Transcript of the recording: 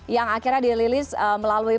yang akhirnya dililis melalui